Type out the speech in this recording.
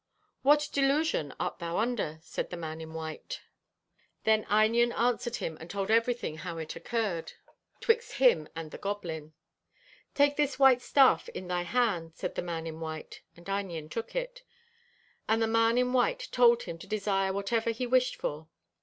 "What delusion art thou under?" said the man in white. Then Einion answered him and told everything how it occurred 'twixt him and the goblin. "Take this white staff in thy hand," said the man in white, and Einion took it. And the man in white told him to desire whatever he wished for.